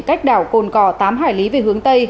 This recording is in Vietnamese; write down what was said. cách đảo cồn cò tám hải lý về hướng tây